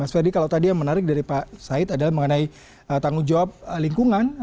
mas ferry kalau tadi yang menarik dari pak said adalah mengenai tanggung jawab lingkungan